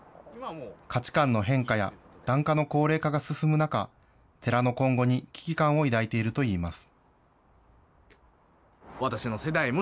価値観の変化や檀家の高齢化が進む中、寺の今後に危機感を抱いているといいます。